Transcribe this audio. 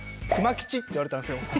って言われたんですよ。